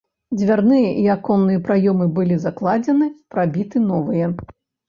Дзвярныя і аконныя праёмы былі закладзены, прабіты новыя.